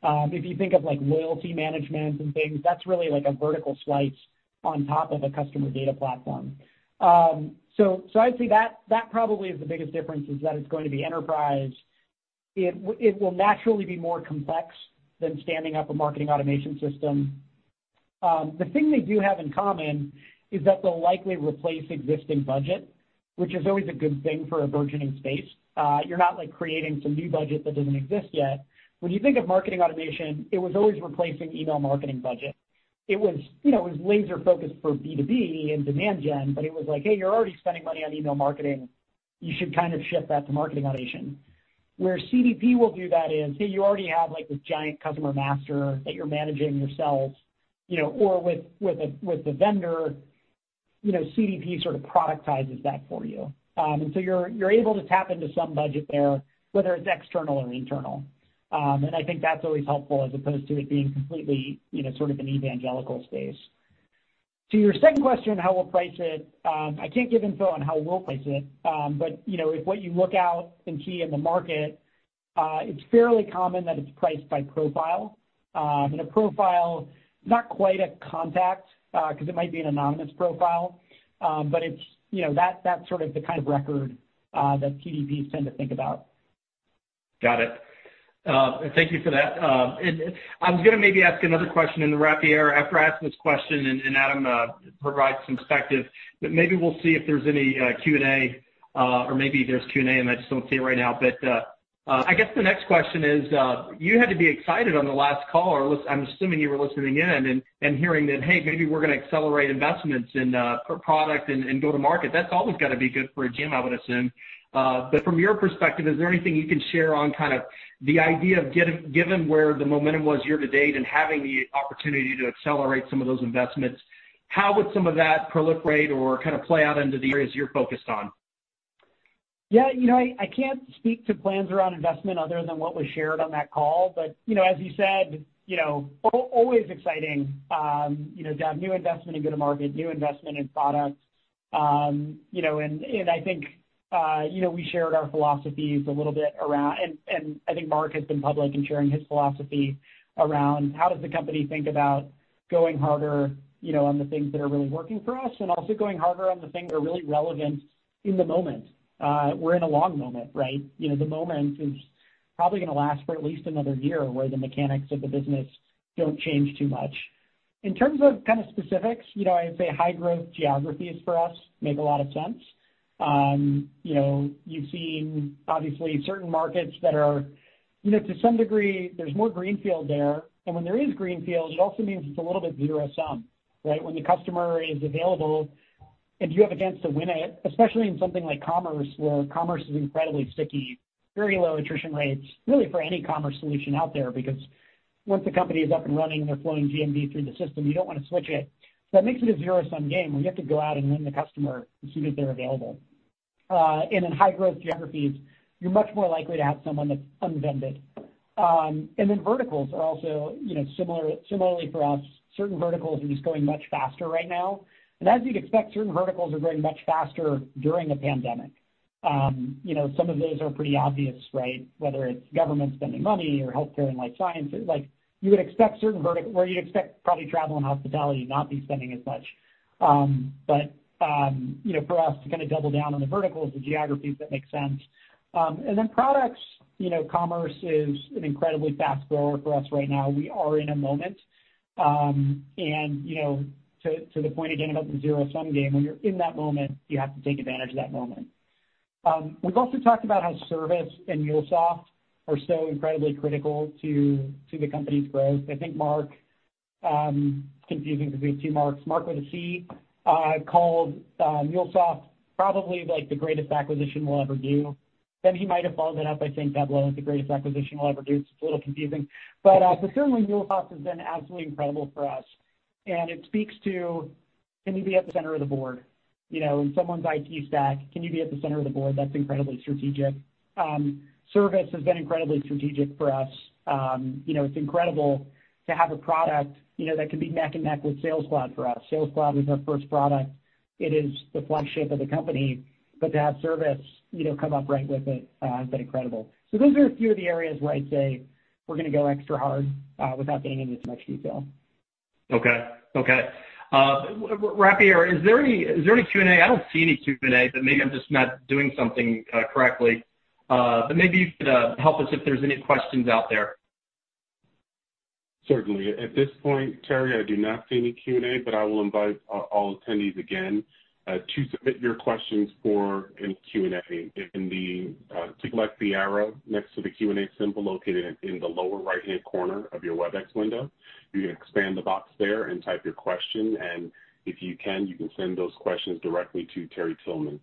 If you think of loyalty management and things, that's really a vertical slice on top of a customer data platform. I'd say that probably is the biggest difference, is that it's going to be enterprise. It will naturally be more complex than standing up a marketing automation system. The thing they do have in common is that they'll likely replace existing budget, which is always a good thing for a burgeoning space. You're not creating some new budget that doesn't exist yet. When you think of marketing automation, it was always replacing email marketing budget. It was laser-focused for B2B and demand gen, but it was like, "Hey, you're already spending money on email marketing. You should kind of shift that to marketing automation." Where CDP will do that is, say you already have this giant customer master that you're managing yourselves, or with a vendor, CDP sort of productizes that for you. You're able to tap into some budget there, whether it's external or internal. I think that's always helpful as opposed to it being completely sort of an evangelical space. To your second question, how we'll price it, I can't give info on how we'll price it. If what you look out and see in the market, it's fairly common that it's priced by profile. A profile is not quite a contact, because it might be an anonymous profile. That's sort of the kind of record that CDPs tend to think about. Got it. Thank you for that. I was going to maybe ask another question in the wrap here after I ask this question, and Adam provides some perspective. Maybe we'll see if there's any Q&A. Maybe there's Q&A, and I just don't see it right now. I guess the next question is, you had to be excited on the last call, or I'm assuming you were listening in and hearing that, "Hey, maybe we're going to accelerate investments in Pardot and go to market." That's always got to be good for a GM, I would assume. From your perspective, is there anything you can share on kind of the idea of given where the momentum was year-to-date and having the opportunity to accelerate some of those investments, how would some of that proliferate or kind of play out into the areas you're focused on? Yeah. I can't speak to plans around investment other than what was shared on that call. As you said, always exciting to have new investment in go-to-market, new investment in product. I think Marc has been public in sharing his philosophy around how does the company think about going harder on the things that are really working for us, and also going harder on the things that are really relevant in the moment. We're in a long moment, right? The moment is probably going to last for at least another year, where the mechanics of the business don't change too much. In terms of kind of specifics, I would say high-growth geographies for us make a lot of sense. You've seen, obviously, certain markets that are, to some degree, there's more greenfield there. When there is greenfield, it also means it's a little bit zero-sum, right? When the customer is available, and you have a chance to win it, especially in something like commerce, where commerce is incredibly sticky, very low attrition rates, really for any commerce solution out there, because once the company is up and running and they're flowing GMV through the system, you don't want to switch it. That makes it a zero-sum game, where you have to go out and win the customer as soon as they're available. In high-growth geographies, you're much more likely to have someone that's unvended. Then verticals are also similarly for us, certain verticals are just growing much faster right now. As you'd expect, certain verticals are growing much faster during a pandemic. Some of those are pretty obvious, right? Whether it's government spending money or healthcare and life sciences. You would expect certain where you'd expect probably travel and hospitality to not be spending as much. For us to kind of double down on the verticals, the geographies, that make sense. Products, Commerce Cloud is an incredibly fast grower for us right now. We are in a moment. To the point again about the zero-sum game, when you're in that moment, you have to take advantage of that moment. We've also talked about how Service Cloud and MuleSoft are so incredibly critical to the company's growth. I think Marc, it's confusing because we have two Marcs. Marc with a C called MuleSoft probably like the greatest acquisition we'll ever do. He might have followed it up by saying Tableau is the greatest acquisition we'll ever do, it's a little confusing. Certainly MuleSoft has been absolutely incredible for us. It speaks to, can you be at the center of the board? In someone's IT stack, can you be at the center of the board? That's incredibly strategic. Service has been incredibly strategic for us. It's incredible to have a product that can be neck and neck with Sales Cloud for us. Sales Cloud was our first product. It is the flagship of the company. To have Service come up right with it has been incredible. Those are a few of the areas where I'd say we're going to go extra hard without getting into too much detail. Okay. Operator, is there any Q&A? I don't see any Q&A, but maybe I'm just not doing something correctly. Maybe you could help us if there's any questions out there. Certainly. At this point, Terry, I do not see any Q&A, but I will invite all attendees again to submit your questions for any Q&A. Select the arrow next to the Q&A symbol located in the lower right-hand corner of your Webex window. You can expand the box there and type your question. If you can, you can send those questions directly to Terry Tillman.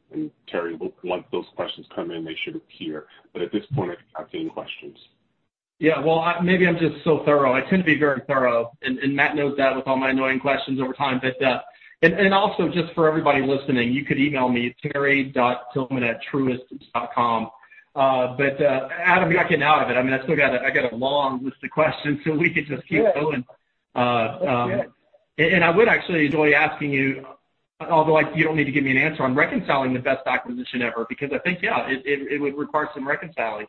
Terry, once those questions come in, they should appear. At this point, I do not see any questions. Yeah. Well, maybe I'm just so thorough. I tend to be very thorough, and Matt knows that with all my annoying questions over time. Also just for everybody listening, you could email me at terry.tillman@truist.com. Adam, you're not getting out of it. I still got a long list of questions, we could just keep going. That's good. I would actually enjoy asking you, although you don't need to give me an answer on reconciling the best acquisition ever, because I think, yeah, it would require some reconciling.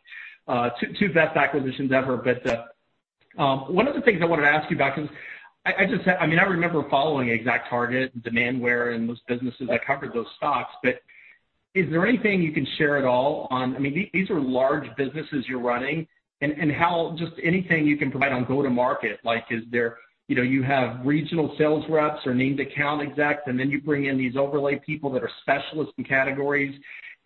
Two best acquisitions ever. One of the things I wanted to ask you about, because I remember following ExactTarget and Demandware and those businesses. I covered those stocks. Is there anything you can share at all on, these are large businesses you're running, and how just anything you can provide on go to market, like is there you have regional sales reps or named account execs, and then you bring in these overlay people that are specialists in categories.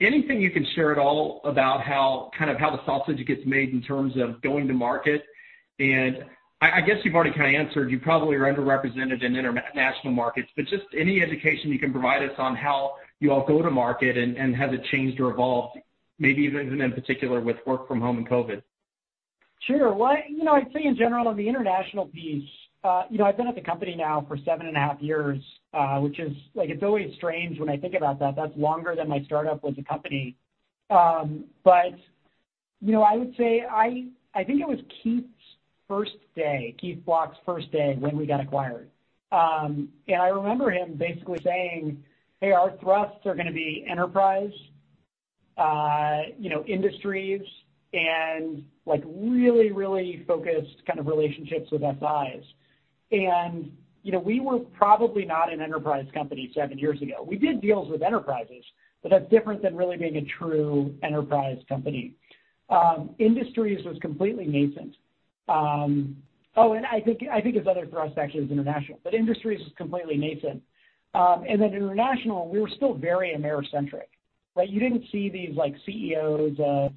Anything you can share at all about how the sausage gets made in terms of going to market? I guess you've already kind of answered, you probably are underrepresented in international markets, but just any education you can provide us on how you all go to market and has it changed or evolved, maybe even in particular with work from home and COVID? Well, I'd say in general, on the international piece, I've been at the company now for seven and a half years, which is always strange when I think about that. That's longer than my startup was a company. I would say, I think it was Keith's first day, Keith Block's first day, when we got acquired. I remember him basically saying, "Hey, our thrusts are going to be enterprise, industries, and really focused kind of relationships with SIs." We were probably not an enterprise company seven years ago. We did deals with enterprises, that's different than really being a true enterprise company. Industries was completely nascent. I think his other thrust actually was international. Industries was completely nascent. International, we were still very Americentric. You didn't see these CEOs of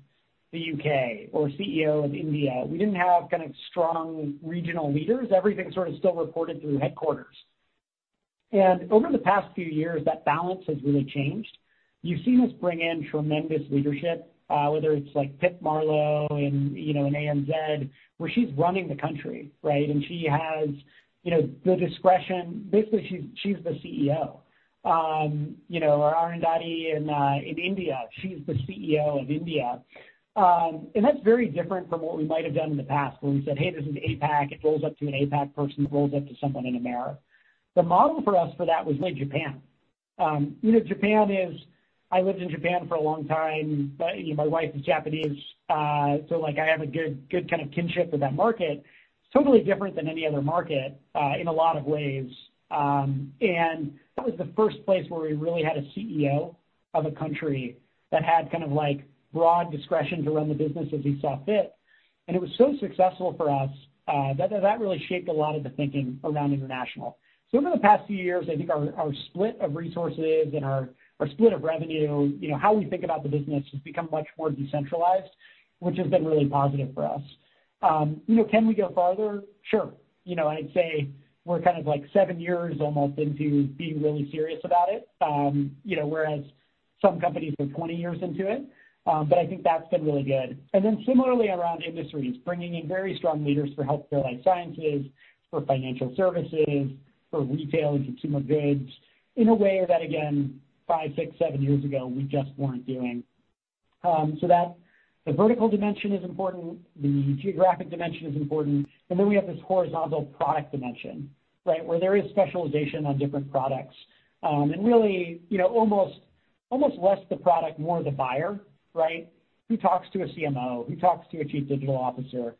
the U.K. or CEO of India. We didn't have kind of strong regional leaders. Everything sort of still reported through headquarters. Over the past few years, that balance has really changed. You've seen us bring in tremendous leadership, whether it's like Pip Marlow in ANZ, where she's running the country, right? She has the discretion. Basically, she's the CEO. Arundhati Bhattacharya in India, she's the CEO of India. That's very different from what we might have done in the past when we said, "Hey, this is APAC." It rolls up to an APAC person. It rolls up to someone in AMER. The model for us for that was really Japan. I lived in Japan for a long time. My wife is Japanese, so I have a good kind of kinship with that market. Totally different than any other market in a lot of ways. That was the first place where we really had a CEO of a country that had kind of broad discretion to run the business as he saw fit. It was so successful for us, that really shaped a lot of the thinking around international. Over the past few years, I think our split of resources and our split of revenue, how we think about the business, has become much more decentralized, which has been really positive for us. Can we go farther? Sure. I'd say we're kind of seven years almost into being really serious about it. Whereas some companies are 20 years into it. I think that's been really good. Similarly around industries, bringing in very strong leaders for healthcare life sciences, for financial services, for retail and consumer goods, in a way that, again, five, six, seven years ago, we just weren't doing. The vertical dimension is important, the geographic dimension is important, and then we have this horizontal product dimension, right? Where there is specialization on different products. Really, almost less the product, more the buyer, right? Who talks to a CMO, who talks to a Chief Digital Officer,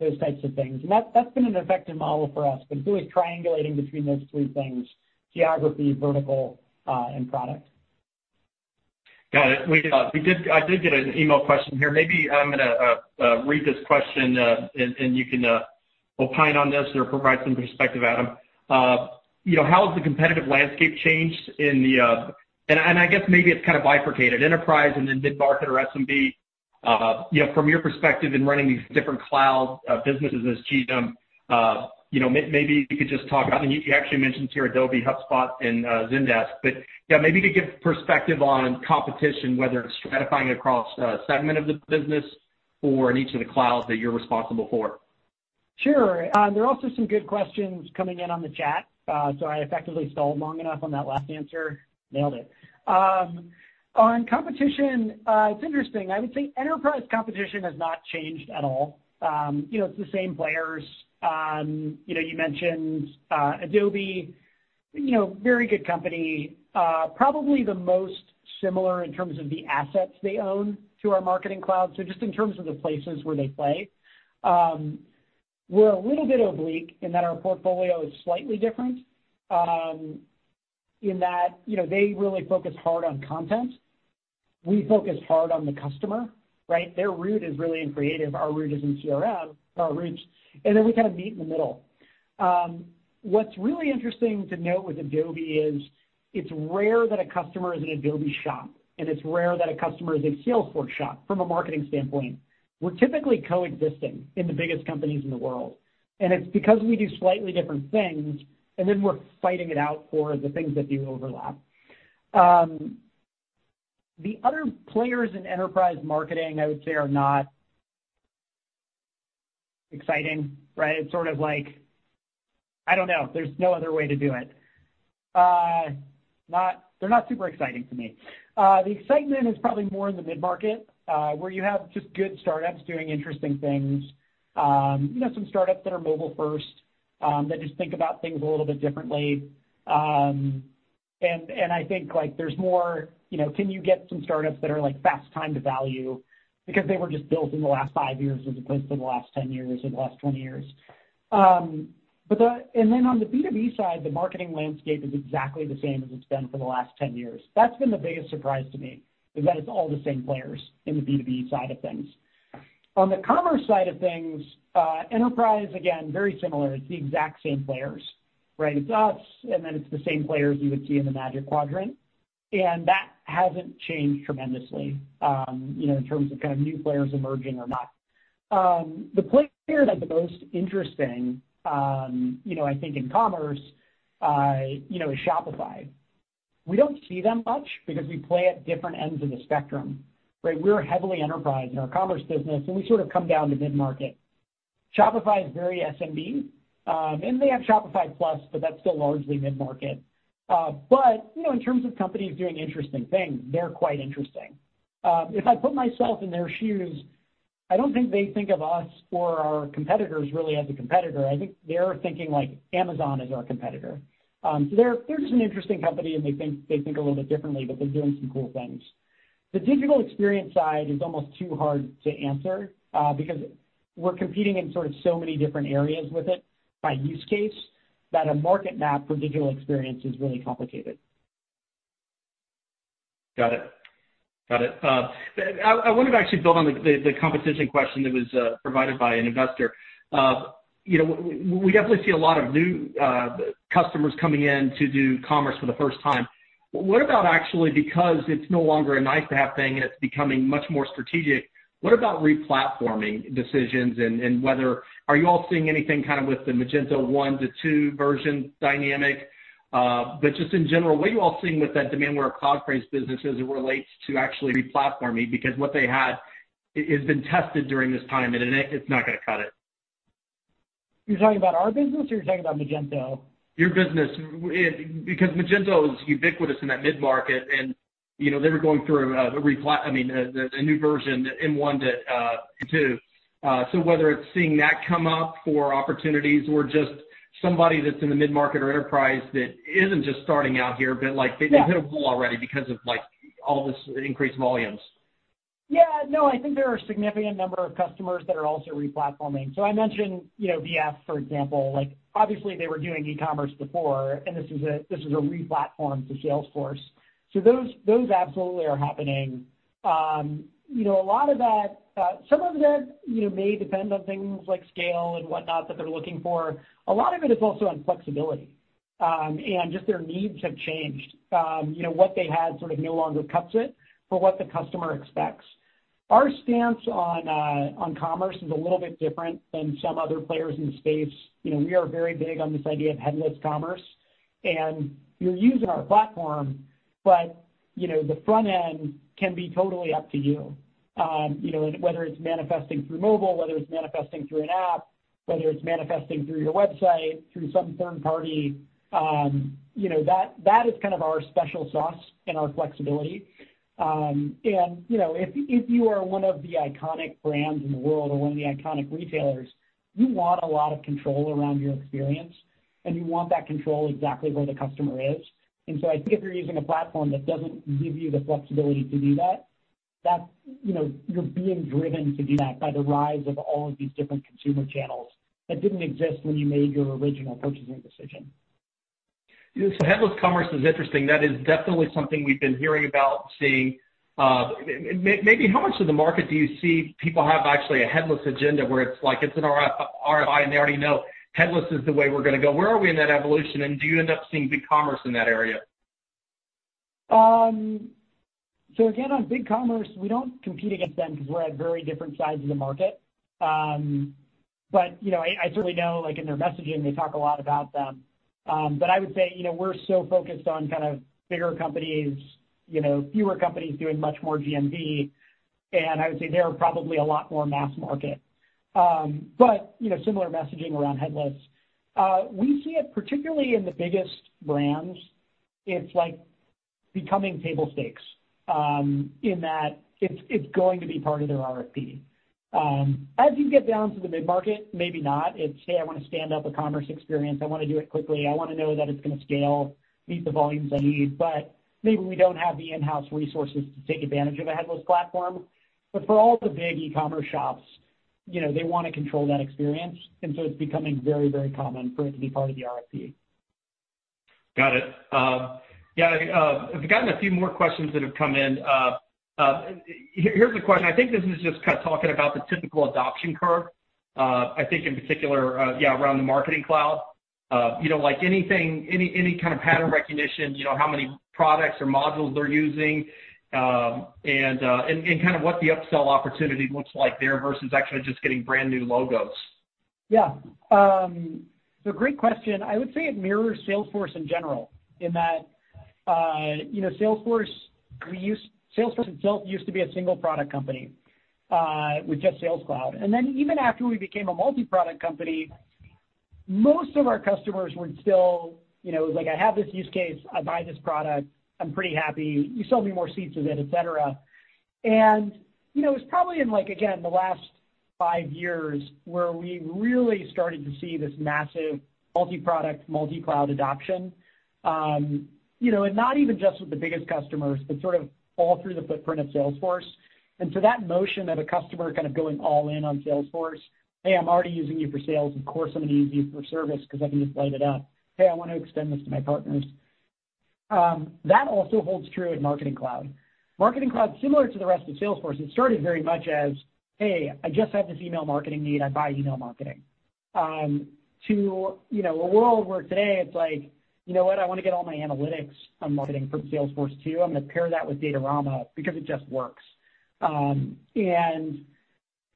those types of things. That's been an effective model for us. Really triangulating between those three things, Geography, vertical, and product. Got it. I did get an email question here. Maybe I'm going to read this question, and you can opine on this or provide some perspective, Adam. How has the competitive landscape changed in the I guess maybe it's kind of bifurcated, enterprise and then mid-market or SMB. From your perspective in running these different cloud businesses as GM, maybe you could just talk. You actually mentioned here Adobe, HubSpot, and Zendesk. Yeah, maybe you could give perspective on competition, whether it's stratifying across a segment of the business or in each of the clouds that you're responsible for. Sure. There are also some good questions coming in on the chat. I effectively stalled long enough on that last answer. Nailed it. On competition, it's interesting. I would say enterprise competition has not changed at all. It's the same players. You mentioned Adobe, very good company. Probably the most similar in terms of the assets they own to our Marketing Cloud, so just in terms of the places where they play. We're a little bit oblique in that our portfolio is slightly different, in that they really focus hard on content. We focus hard on the customer, right? Their root is really in creative, our root is in CRM, our roots. Then we kind of meet in the middle. What's really interesting to note with Adobe is, it's rare that a customer is an Adobe shop, and it's rare that a customer is a Salesforce shop from a marketing standpoint. It's because we do slightly different things, and then we're fighting it out for the things that do overlap. The other players in enterprise marketing, I would say, are not exciting, right? It's sort of like, I don't know, there's no other way to do it. They're not super exciting to me. The excitement is probably more in the mid-market, where you have just good startups doing interesting things. Some startups that are mobile first, that just think about things a little bit differently. I think there's more, can you get some startups that are fast time to value because they were just built in the last five years as opposed to the last 10 years or the last 20 years. Then on the B2B side, the marketing landscape is exactly the same as it's been for the last 10 years. That's been the biggest surprise to me, is that it's all the same players in the B2B side of things. On the commerce side of things, enterprise, again, very similar. It's the exact same players, right? It's us, and then it's the same players you would see in the Gartner Magic Quadrant. That hasn't changed tremendously, in terms of new players emerging or not. The player that's the most interesting, I think in commerce, is Shopify. We don't see them much because we play at different ends of the spectrum, right? We're heavily enterprise in our commerce business, we sort of come down to mid-market. Shopify is very SMB. They have Shopify Plus, but that's still largely mid-market. In terms of companies doing interesting things, they're quite interesting. If I put myself in their shoes, I don't think they think of us or our competitors really as a competitor. I think they're thinking like Amazon is our competitor. They're just an interesting company, and they think a little bit differently, but they're doing some cool things. The Digital Experience side is almost too hard to answer, because we're competing in so many different areas with it by use case, that a market map for Digital Experience is really complicated. Got it. I wanted to actually build on the competition question that was provided by an investor. We definitely see a lot of new customers coming in to do commerce for the first time. What about actually, because it's no longer a nice-to-have thing and it's becoming much more strategic, what about re-platforming decisions, and whether, are you all seeing anything with the Magento 1 to 2 version dynamic? Just in general, what are you all seeing with that Demandware a cloud-based business as it relates to actually re-platforming? Because what they had has been tested during this time, and it's not going to cut it. You're talking about our business, or you're talking about Magento? Your business. Magento is ubiquitous in that mid-market, and they were going through a new version in one to two. Whether it's seeing that come up for opportunities or just somebody that's in the mid-market or enterprise that isn't just starting out here. Yeah they've hit a wall already because of all this increased volumes. Yeah, no, I think there are a significant number of customers that are also re-platforming. So I mentioned VF Corporation, for example. Obviously they were doing e-commerce before, and this is a re-platform to Salesforce. So those absolutely are happening. Some of that may depend on things like scale and whatnot that they're looking for. A lot of it is also on flexibility. And just their needs have changed. What they had sort of no longer cuts it for what the customer expects. Our stance on commerce is a little bit different than some other players in the space. We are very big on this idea of headless commerce. And you're using our platform, but the front end can be totally up to you. Whether it's manifesting through mobile, whether it's manifesting through an app, whether it's manifesting through your website, through some third party, that is kind of our special sauce and our flexibility. If you are one of the iconic brands in the world or one of the iconic retailers, you want a lot of control around your experience, and you want that control exactly where the customer is. I think if you're using a platform that doesn't give you the flexibility to do that, you're being driven to do that by the rise of all of these different consumer channels that didn't exist when you made your original purchasing decision. Yeah. Headless commerce is interesting. That is definitely something we've been hearing about and seeing. Maybe how much of the market do you see people have actually a headless agenda, where it's like it's an RFI and they already know headless is the way we're going to go. Where are we in that evolution, do you end up seeing BigCommerce in that area? Again, on BigCommerce, we don't compete against them because we're at very different sides of the market. I certainly know, like in their messaging, they talk a lot about them. I would say, we're so focused on kind of bigger companies, fewer companies doing much more GMV, and I would say they are probably a lot more mass market. Similar messaging around headless. We see it particularly in the biggest brands. It's like becoming table stakes, in that it's going to be part of their RFP. As you get down to the mid-market, maybe not. It's, Hey, I want to stand up a commerce experience. I want to do it quickly. I want to know that it's going to scale, meet the volumes I need, but maybe we don't have the in-house resources to take advantage of a headless platform. For all the big e-commerce shops, they want to control that experience. It's becoming very, very common for it to be part of the RFP. Got it. Yeah, I've gotten a few more questions that have come in. Here's a question. I think this is just kind of talking about the typical adoption curve. I think in particular, yeah, around the Marketing Cloud. Like anything, any kind of pattern recognition, how many products or modules they're using, and kind of what the upsell opportunity looks like there versus actually just getting brand-new logos. Great question. I would say it mirrors Salesforce in general, in that Salesforce itself used to be a single Product company, with just Sales Cloud. Even after we became a multi-Product company, most of our customers were still, it was like, "I have this use case. I buy this Product. I'm pretty happy. You sell me more seats of it," et cetera. It was probably in, again, the last five years where we really started to see this massive multi-Product, multi-cloud adoption. Not even just with the biggest customers, but sort of all through the footprint of Salesforce. That motion of a customer kind of going all in on Salesforce, "Hey, I'm already using you for sales. Of course, I'm going to use you for service because I can just light it up. Hey, I want to extend this to my partners." That also holds true in Marketing Cloud. Marketing Cloud, similar to the rest of Salesforce, it started very much as, "Hey, I just have this email marketing need. I buy email marketing," to a world where today it's like, "You know what? I want to get all my analytics on marketing from Salesforce, too. I'm going to pair that with Datorama because it just works."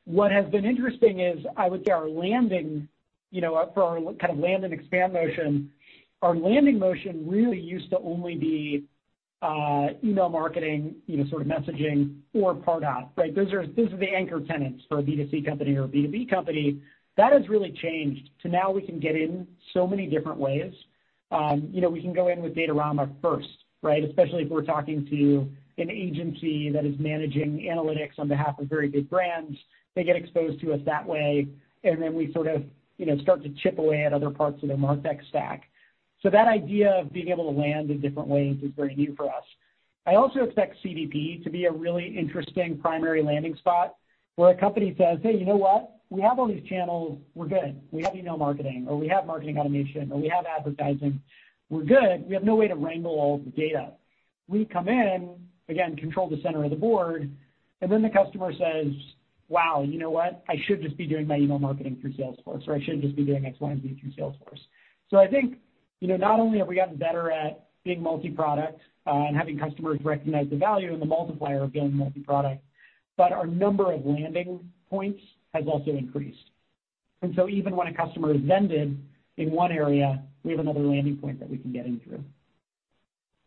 What has been interesting is I would say for our kind of land and expand motion, our landing motion really used to only be email marketing, sort of messaging or Product, right? Those are the anchor tenants for a B2C company or a B2B company. That has really changed to now we can get in so many different ways. We can go in with Datorama first, right? Especially if we're talking to an agency that is managing analytics on behalf of very big brands. They get exposed to us that way, and then we sort of start to chip away at other parts of their MarTech stack. That idea of being able to land in different ways is very new for us. I also expect CDP to be a really interesting primary landing spot, where a company says, "Hey, you know what? We have all these channels. We're good. We have email marketing," or, "We have marketing automation," or, "We have advertising. We're good. We have no way to wrangle all of the data." We come in, again, control the center of the board, and then the customer says, "Wow, you know what? I should just be doing my email marketing through Salesforce," or, "I should just be doing X, Y, and Z through Salesforce." I think, not only have we gotten better at being multi-Product and having customers recognize the value and the multiplier of being multi-Product, but our number of landing points has also increased. Even when a customer is vended in one area, we have another landing point that we can get in through.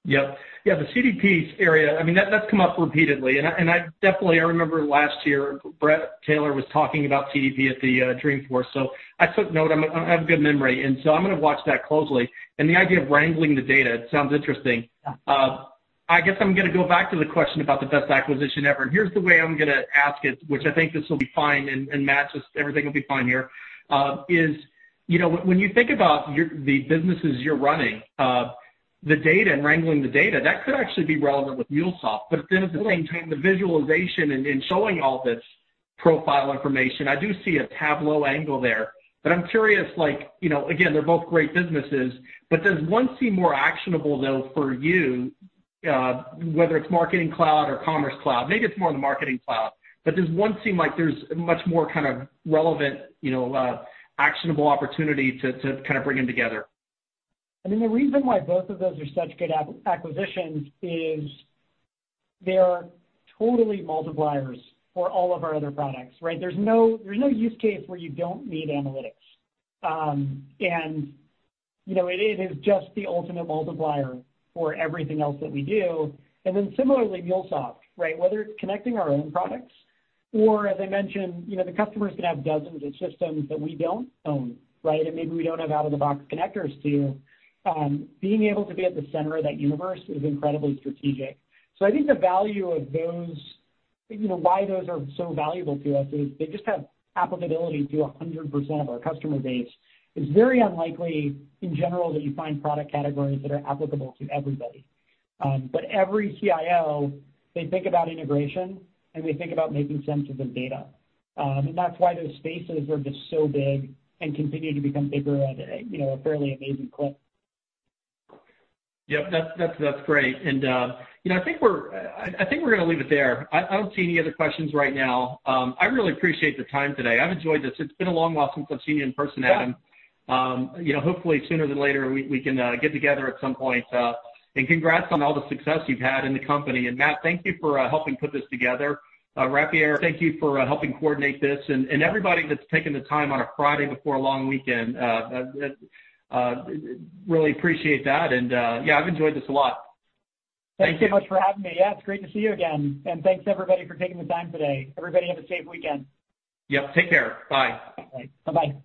Yep. Yeah, the CDP area, I mean, that's come up repeatedly, and definitely, I remember last year, Bret Taylor was talking about CDP at the Dreamforce, so I took note. I have a good memory, and so I'm going to watch that closely. The idea of wrangling the data, it sounds interesting. Yeah. I guess I'm going to go back to the question about the best acquisition ever, and here's the way I'm going to ask it, which I think this will be fine, and Matt, just everything will be fine here, is when you think about the businesses you're running, the data and wrangling the data, that could actually be relevant with MuleSoft. At the same time, the visualization and showing all this profile information, I do see a Tableau angle there. I'm curious, again, they're both great businesses, but does one seem more actionable, though, for you, whether it's Marketing Cloud or Commerce Cloud? Maybe it's more the Marketing Cloud, but does one seem like there's a much more kind of relevant, actionable opportunity to kind of bring them together? I mean, the reason why both of those are such good acquisitions is they are totally multipliers for all of our other products, right? There's no use case where you don't need analytics. It is just the ultimate multiplier for everything else that we do. Similarly, MuleSoft, right? Whether it's connecting our own products or, as I mentioned, the customers could have dozens of systems that we don't own, right? Maybe we don't have out-of-the-box connectors to. Being able to be at the center of that universe is incredibly strategic. I think why those are so valuable to us is they just have applicability to 100% of our customer base. It's very unlikely, in general, that you find Product categories that are applicable to everybody. Every CIO, they think about integration, and they think about making sense of the data. That's why those spaces are just so big and continue to become bigger at a fairly amazing clip. Yep. That's great. I think we're going to leave it there. I don't see any other questions right now. I really appreciate the time today. I've enjoyed this. It's been a long while since I've seen you in person, Adam. Yeah. Hopefully sooner than later, we can get together at some point. Congrats on all the success you've had in the company. Matt, thank you for helping put this together. Operator, thank you for helping coordinate this, and everybody that's taken the time on a Friday before a long weekend, really appreciate that. Yeah, I've enjoyed this a lot. Thanks so much for having me. Yeah, it's great to see you again. Thanks everybody for taking the time today. Everybody have a safe weekend. Yep, take care. Bye. Bye. Bye-bye.